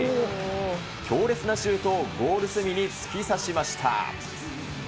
強烈なシュートをゴール隅に突き刺しました。